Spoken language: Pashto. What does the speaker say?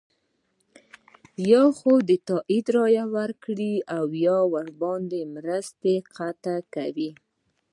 یا خو د تایید رایه ورکړئ او یا درباندې مرستې قطع کوو.